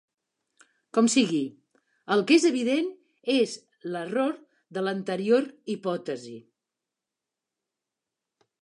Com sigui, el que és evident és l'error de l'anterior hipòtesi.